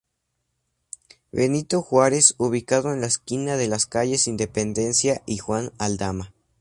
Benito Juárez ubicado en la esquina de las calles Independencia y Juan Aldama.